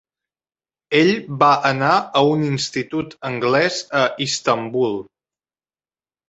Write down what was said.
Ell va anar a un institut anglès a Istanbul.